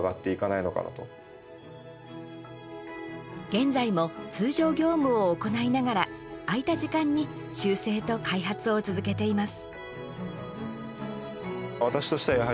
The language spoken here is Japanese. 現在も、通常業務を行いながら空いた時間に修正と開発を続けています。